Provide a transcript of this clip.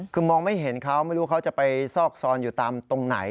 คือมองไม่เห็นเขาไม่รู้เขาจะไปซอกซอนอยู่ตามตรงไหน